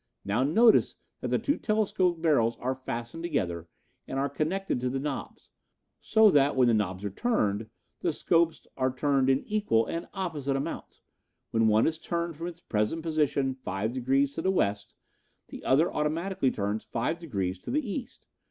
Now notice that the two telescope barrels are fastened together and are connected to the knobs, so that when the knobs are turned, the scopes are turned in equal and opposite amounts. When one is turned from its present position five degrees to the west, the other automatically turns five degrees to the east.